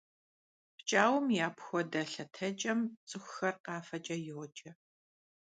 ПкӀауэм и апхуэдэ лъэтэкӀэм цӀыхухэр къафэкӀэ йоджэ.